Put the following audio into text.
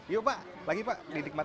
yuk pak lagi pak didikmati